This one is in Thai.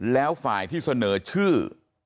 แล้วฝ่ายที่เสนอชื่อ